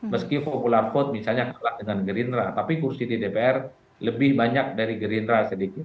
meski popular vote misalnya kalah dengan gerindra tapi kursi di dpr lebih banyak dari gerindra sedikit